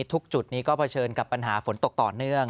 จุดนี้ก็เผชิญกับปัญหาฝนตกต่อเนื่อง